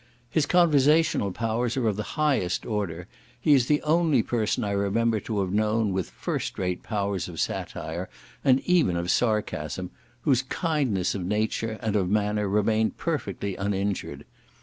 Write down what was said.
His conversational powers are of the highest order: he is the only person I remember to have known with first rate powers of satire, and even of sarcasm, whose kindness of nature and of manner remained perfectly uninjured.